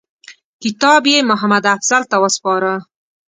کتاب یې محمدافضل ته وسپاره.